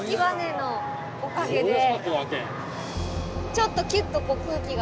ちょっとキュッとこう空気が。